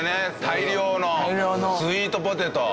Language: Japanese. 大量のスイートポテト。